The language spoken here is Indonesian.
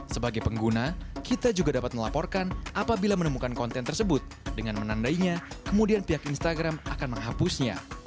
sebagai pengguna kita juga dapat melaporkan apabila menemukan konten tersebut dengan menandainya kemudian pihak instagram akan menghapusnya